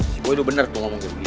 si boy udah bener tuh ngomongin begitu